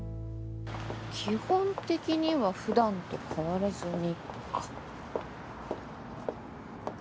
基本的には普段と変わらずにか。